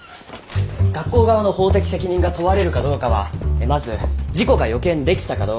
学校側の法的責任が問われるかどうかはまず事故が予見できたかどうか。